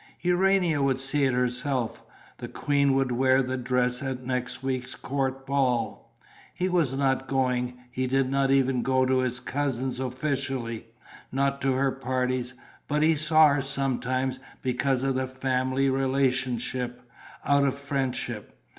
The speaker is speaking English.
Urania would see it herself: the queen would wear the dress at next week's court ball. He was not going, he did not even go to his cousin's officially, not to her parties; but he saw her sometimes, because of the family relationship, out of friendship.